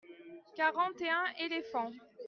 quarante et un éléphants.